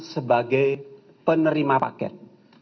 sebagai penerima paket